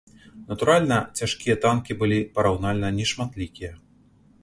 Натуральна цяжкія танкі былі параўнальна нешматлікія.